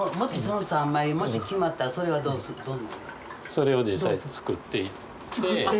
それを実際作っていって。